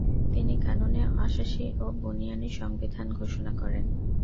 তিনি কানুনে আসাসী বা বুনিয়ানি সংবিধান ঘোষণা করেন।